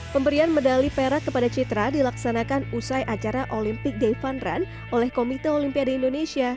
pemberian medali perak kepada citra dilaksanakan usai acara olimpik devanran oleh komite olimpiade indonesia